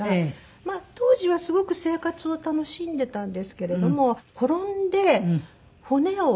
まあ当時はすごく生活を楽しんでたんですけれども転んで骨を折って。